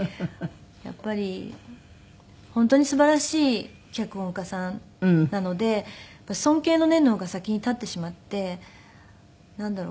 やっぱり本当にすばらしい脚本家さんなので尊敬の念の方が先に立ってしまってなんだろう。